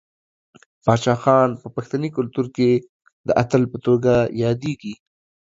باچا خان په پښتني کلتور کې د اتل په توګه یادیږي.